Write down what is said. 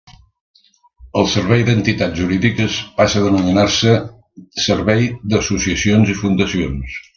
El Servei d'Entitats Jurídiques passa a denominar-se Servei d'Associacions i Fundacions.